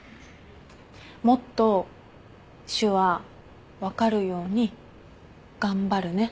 もっと手話分かるように頑張るね。